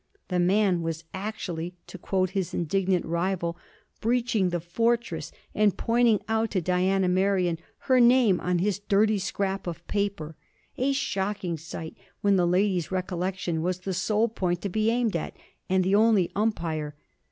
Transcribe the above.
The man was actually; to quote his indignant rival, 'breaching the fortress,' and pointing out to Diana Merion 'her name on his dirty scrap of paper': a shocking sight when the lady's recollection was the sole point to be aimed at, and the only umpire.